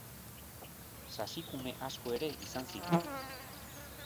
Sasikume asko ere izan zituen.